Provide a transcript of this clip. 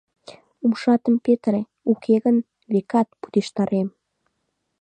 Умшатым петыре, уке гын, векат, пудештарем!